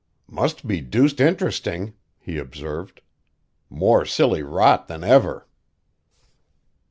"Must be deuced interesting," he observed. "More silly rot than ever."